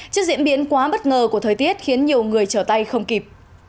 trước diễn biến quá bất ngờ của thời tiết khiến nhiều người trở tay không kịp